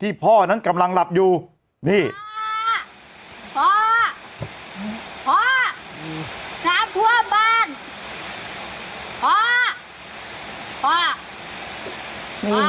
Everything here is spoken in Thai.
ที่พ่อนั้นกำลังหลับอยู่นี่พ่อพ่อพ่อน้ำท่วมบัน